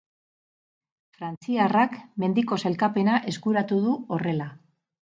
Frantziarrak mendiko sailkapena eskuratu du horrela.